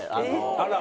あら！